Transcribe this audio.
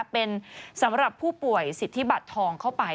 เป็นสำหรับผู้ป่วยสิทธิบัตรทองเข้าไป